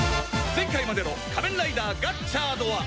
前回までの『仮面ライダーガッチャード』は